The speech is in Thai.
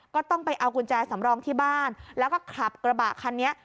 ก็ต้องไปเอากุญแจสำรองที่บ้านแล้วก็ขับกระบะคันนี้